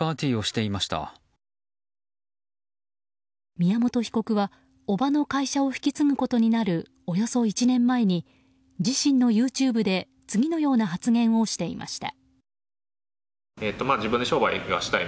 宮本被告は叔母の会社を引き継ぐことになるおよそ１年前に自身のＹｏｕＴｕｂｅで次のような発言をしていました。